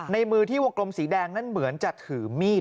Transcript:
ในมือที่วงกลมสีแดงนั้นเหมือนจะถือมีด